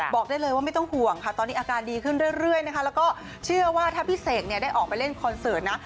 บอกได้เลยว่าไม่ต้องห่วงค่ะตอนนี้อาการดีขึ้นเรื่อยนะคะแล้วก็เชื่อว่าถ้าพี่เสกเนี่ยได้ออกไปเล่นคอนเสิร์ตนะ